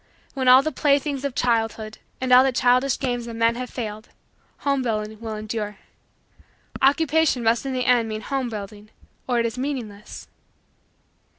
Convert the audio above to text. When all the playthings of childhood and all the childish games of men have failed, homebuilding will endure. Occupation must in the end mean home building or it is meaningless.